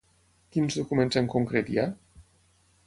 Quins documents en concret hi ha?